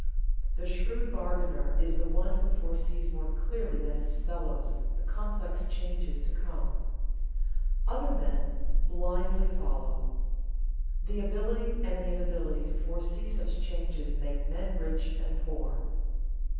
The shrewd bargainer is the one who foresees more clearly than his fellows the complex changes to come. Other men blindly follow. The ability and the inability to foresee such changes make men rich and poor.